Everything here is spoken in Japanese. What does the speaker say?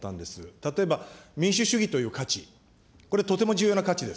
例えば、民主主義という価値、これ、とても重要な価値です。